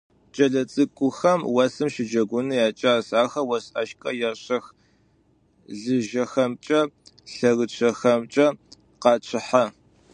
Кӏэлэцӏыкӏухэм осым щыджэгуныр якӏас: ахэр ос ӏашкӏэ ешӏэх, лыжэхэмкӏэ, лъэрычъэхэмкӏэ къачъыхьэ.